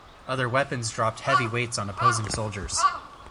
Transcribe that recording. Other weapons dropped heavy weights on opposing soldiers.